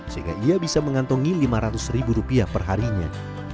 sehingga ia bisa mengantongi lima ratus ribu rupiah perharinya